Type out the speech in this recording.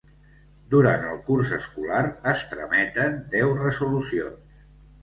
Durant el curs escolar es trameten deu resolucions.